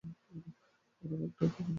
ওরা একটা কুকুর নিয়ে খেলছিল, ম্যাম।